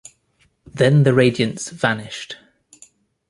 Then the radiance vanished.